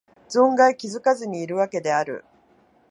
存外気がつかずにいるわけである